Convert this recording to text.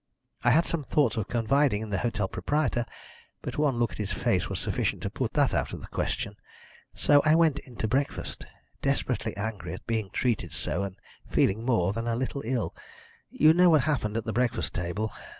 I had some thoughts of confiding in the hotel proprietor, but one look at his face was sufficient to put that out of the question. "So I went in to breakfast, desperately angry at being treated so, and feeling more than a little ill. You know what happened at the breakfast table.